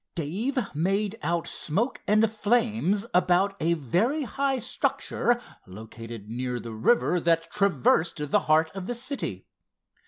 Dave made out smoke and flames about a very high structure located near the river that traversed the heart of the city.